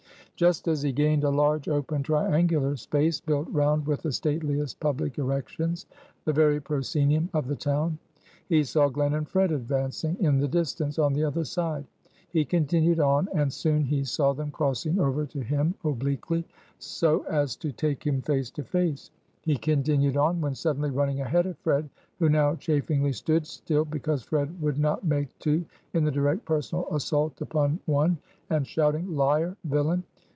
Just as he gained a large, open, triangular space, built round with the stateliest public erections; the very proscenium of the town; he saw Glen and Fred advancing, in the distance, on the other side. He continued on; and soon he saw them crossing over to him obliquely, so as to take him face and face. He continued on; when suddenly running ahead of Fred, who now chafingly stood still (because Fred would not make two, in the direct personal assault upon one) and shouting "Liar! Villain!"